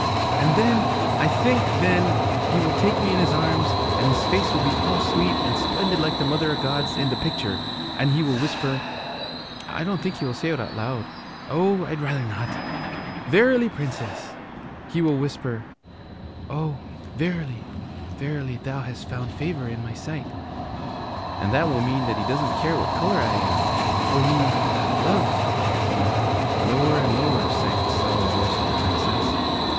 'And then I think then he will take me in his arms, and his face will be all sweet and splendid like the Mother o' God's in the picture, and he will whisper, I don't think he will say it out loud, oh, I'd rather not! "Verily, Princess," he will whisper, "oh, verily, verily, thou hast found favor in my sight!" And that will mean that he doesn't care what color I am, for he loves me.' Lower and lower sank the solemn voice of the Princess.